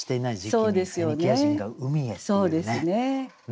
そうですね。